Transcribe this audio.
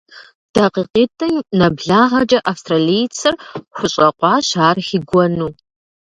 ДакъикъитӀым нэблагъэкӀэ австралийцыр хущӀэкъуащ ар хигуэну.